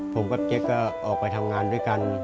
ผมกับเจ๊ก็ออกไปทำงานด้วยกัน